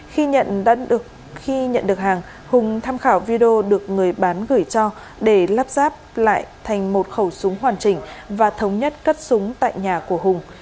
khi nhận được hàng hùng tham khảo video được người bán gửi cho để lắp ráp lại thành một khẩu súng hoàn chỉnh và thống nhất cất súng tại nhà của hùng